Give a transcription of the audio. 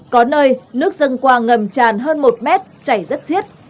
có nơi nước dâng qua ngầm tràn hơn một mét chảy rất xiết